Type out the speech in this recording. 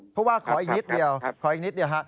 เพราะว่าขออีกนิดเดียวค่ะ